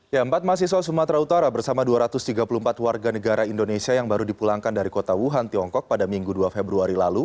ya empat mahasiswa sumatera utara bersama dua ratus tiga puluh empat warga negara indonesia yang baru dipulangkan dari kota wuhan tiongkok pada minggu dua februari lalu